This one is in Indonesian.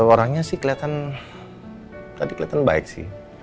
orangnya sih kelihatan tadi kelihatan baik sih